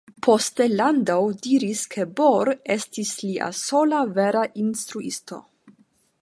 Poste Landau diris ke Bohr estis lia "sola vera instruisto".